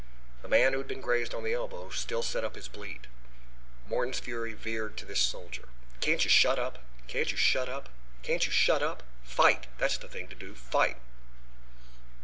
The man who had been grazed on the elbow still set up his bleat. Morton's fury veered to this soldier. "Can't you shut up? Can't you shut up? Can't you shut up? Fight! That's the thing to do. Fight!"